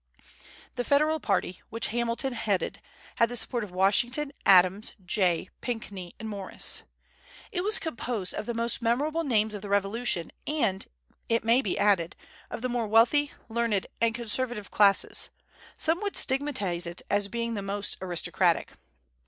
The Federal party, which Hamilton headed, had the support of Washington, Adams, Jay, Pinckney, and Morris. It was composed of the most memorable names of the Revolution and, it may be added, of the more wealthy, learned, and conservative classes: some would stigmatize it as being the most aristocratic.